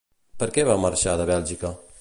Per què va marxar de Bèlgica?